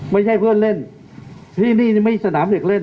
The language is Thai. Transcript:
ไม่ใช่เพื่อนเล่นที่นี่ไม่ใช่สนามเด็กเล่น